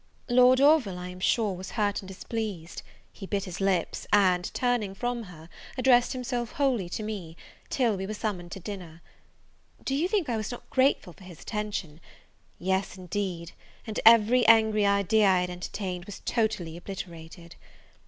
Lord Orville, I am sure, was hurt and displeased: he bit his lips, and, turning from her, addressed himself wholly to me, till we were summoned to dinner. Do you think I was not grateful for his attention? yes, indeed, and every angry idea I had entertained was totally obliterated.